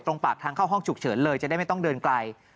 ปากทางเข้าห้องฉุกเฉินเลยจะได้ไม่ต้องเดินไกล